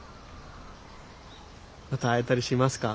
また会えたりしますか？